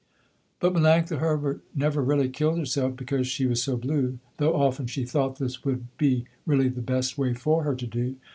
But Melanctha Herbert never really killed herself because she was so blue, though often she thought this would be really the best way for her to do.